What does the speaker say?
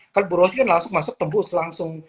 kalau borosnya kan langsung masuk tembus langsung